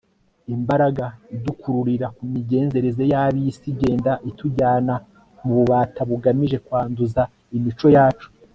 imbaraga idukururira ku migenzereze y'ab'isi igenda itujyana mu bubata bugamije kwanduza imico yacu